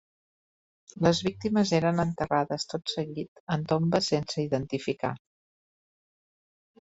Les víctimes eren enterrades tot seguit en tombes sense identificar.